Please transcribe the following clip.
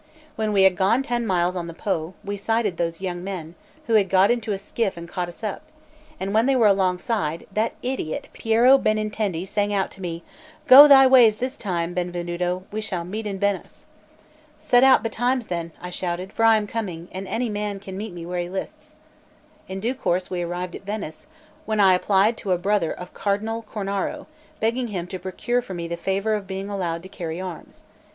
When we had gone ten miles on the Po, we sighted those young men, who had got into a skiff and caught us up; and when they were alongside, that idiot Piero Benintendi sang out to me: "Go thy ways this time, Benvenuto; we shall meet in Venice." "Set out betimes then," I shouted, "for I am coming, and any man can meet me where he lists." In due course we arrived at Venice, when I applied to a brother of Cardinal Cornaro, begging him to procure for me the favour of being allowed to carry arms.